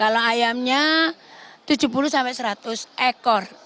kalau ayamnya tujuh puluh sampai seratus ekor